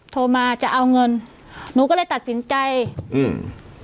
โทรมาจะเอาเงินหนูก็เลยตัดสินใจอืม